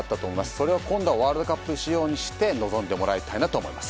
それを今度はワールドカップ仕様にして臨んでもらいたいなと思います。